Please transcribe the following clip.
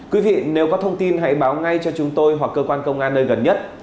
quý vị nếu có thông tin hãy báo ngay cho chúng tôi hoặc cơ quan công an nơi gần nhất